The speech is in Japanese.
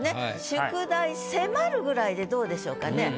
「宿題迫る」ぐらいでどうでしょうかね。